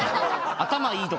頭いいと。